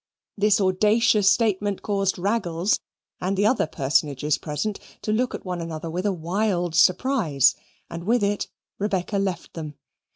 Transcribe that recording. This audacious statement caused Raggles and the other personages present to look at one another with a wild surprise, and with it Rebecca left them.